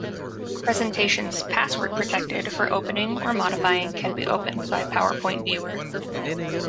Presentations password-protected for opening or modifying can be opened by PowerPoint Viewer.